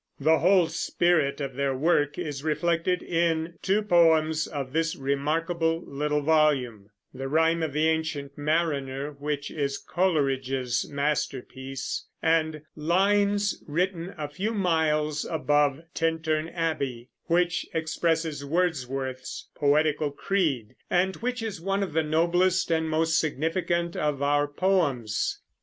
The whole spirit of their work is reflected in two poems of this remarkable little volume, "The Rime of the Ancient Mariner," which is Coleridge's masterpiece, and "Lines Written a Few Miles above Tintern Abbey," which expresses Wordsworth's poetical creed, and which is one of the noblest and most significant of our poems.